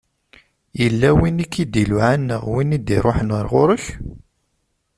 Yella win i k-id-iluɛan, neɣ win i d-iruḥen ɣer ɣur-k?